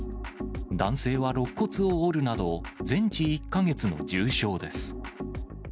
男性はろっ骨を折るなど、全治１か月の重傷です。